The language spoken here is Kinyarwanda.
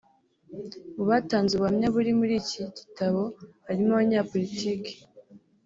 Mu batanze ubuhamya buri muri iki gitabo harimo abanyapolitiki